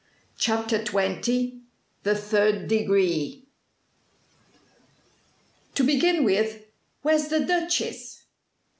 CHAPTER XX THE THIRD DEGREE "To begin with, where's the Duchess?"